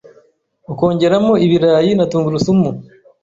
ukongeramo ibirayi na tungurusumu.